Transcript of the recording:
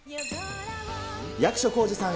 役所広司さん